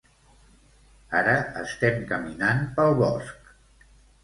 Ara estem caminant pel bosc.